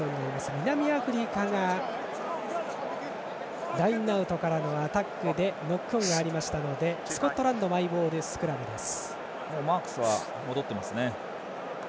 南アフリカがラインアウトからのアタックでノックオンがありましたのでスコットランドのマークスは戻っていますね。